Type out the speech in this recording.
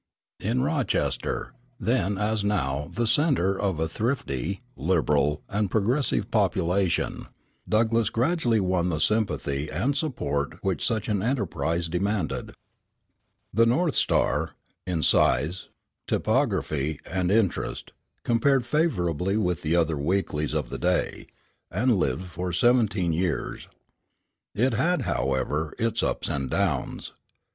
In Rochester, then as now the centre of a thrifty, liberal, and progressive population, Douglass gradually won the sympathy and support which such an enterprise demanded. The North Star, in size, typography, and interest, compared favorably with the other weeklies of the day, and lived for seventeen years. It had, however, its "ups and downs."